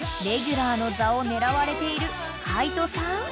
［レギュラーの座を狙われている海人さん